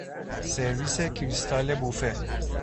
سرویس کریستال بوفه